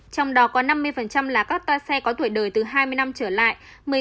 trong đó có năm mươi là các toa xe có tuổi đời từ hai mươi năm trở lại